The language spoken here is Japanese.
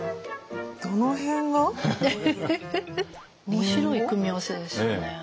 面白い組み合わせですよね。